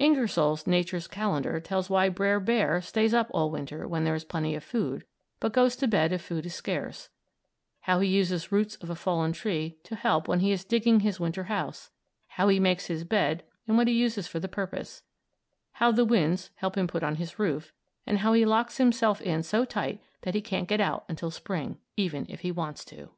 Ingersoll's "Nature's Calendar" tells why Brer Bear stays up all winter when there is plenty of food, but goes to bed if food is scarce; how he uses roots of a fallen tree to help when he is digging his winter house; how he makes his bed and what he uses for the purpose; how the winds help him put on his roof, and how he locks himself in so tight that he can't get out until spring, even if he wants to.